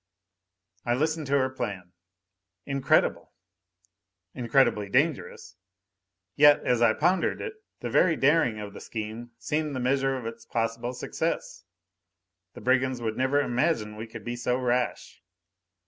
I listened to her plan. Incredible! Incredibly dangerous. Yet, as I pondered it, the very daring of the scheme seemed the measure of its possible success. The brigands would never imagine we could be so rash!